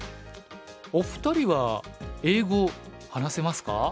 お二人は英語話せますか？